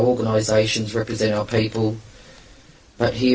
organisasi kita memperkenalkan orang orang kita